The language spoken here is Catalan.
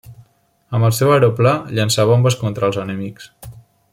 Amb el seu aeroplà llença bombes contra els enemics.